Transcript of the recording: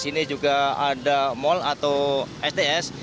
ini juga ada mall atau sts